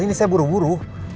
ini saya buru buru